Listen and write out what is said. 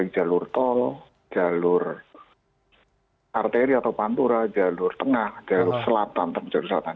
jalur tol jalur arteri atau pantura jalur tengah jalur selatan